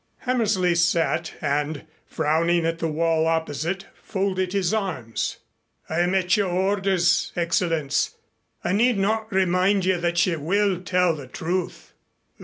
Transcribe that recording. Hammersley sat and, frowning at the wall opposite, folded his arms. "I am at your orders, Excellenz. I need not remind you that she will tell the truth."